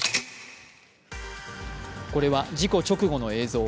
これは、事故直後の映像。